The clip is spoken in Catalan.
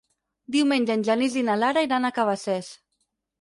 Diumenge en Genís i na Lara iran a Cabacés.